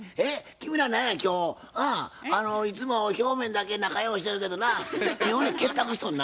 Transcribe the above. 君ら何や今日いつも表面だけ仲良うしてるけどな妙に結託しとんな。